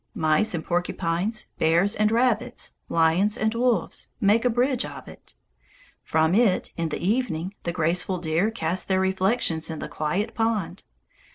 Mice and porcupines, bears and rabbits, lions and wolves, make a bridge of it. From it, in the evening, the graceful deer cast their reflections in the quiet pond.